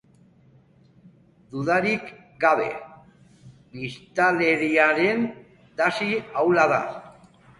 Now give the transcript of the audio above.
Dudarik gabe, biztanleriaren zati ahula da.